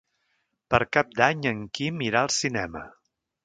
Per Cap d'Any en Quim irà al cinema.